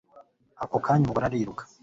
ako kanya umugore ariruka